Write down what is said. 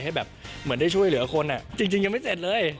ให้แบบเหมือนได้ช่วยเหลือคนจริงยังไม่เสร็จเลย